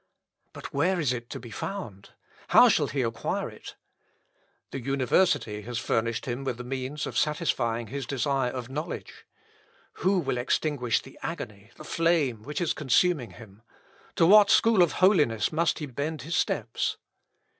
But where is it to be found? How shall he acquire it? The university has furnished him with the means of satisfying his desire of knowledge. Who will extinguish the agony, the flame which is consuming him? To what school of holiness must he bend his steps?